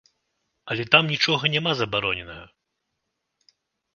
Але там нічога няма забароненага.